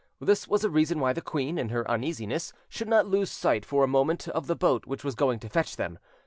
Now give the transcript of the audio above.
This was a reason why the queen, in her uneasiness, should not lose sight for a moment of the boat which was going to fetch them.